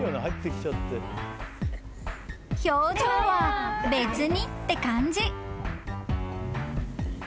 ［表情は別にって感じ］